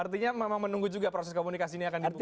artinya memang menunggu juga proses komunikasi ini akan dibuka